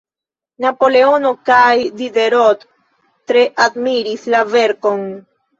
Napoleono kaj Diderot tre admiris la verkon.